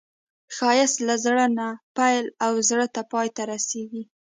ښایست له زړه نه پیل او زړه ته پای ته رسېږي